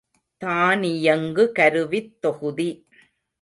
தானியங்கு கருவித் தொகுதி.